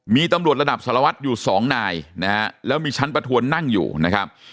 มีตำรวจระดับสารวัตรอยู่สองนายนะฮะแล้วมีชั้นประทวนนั่งอยู่นะครับ